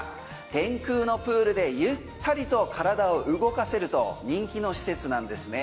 天空のプールでゆったりと体を動かせると人気の施設なんですね。